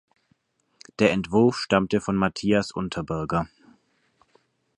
Der Entwurf stammte von Matthias Unterberger.